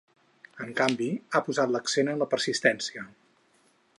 En canvi, ha posat l’accent en la persistència.